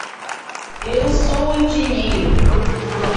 Eu sou engenheiro.